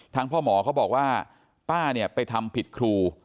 พ่อหมอเขาบอกว่าป้าเนี่ยไปทำผิดครู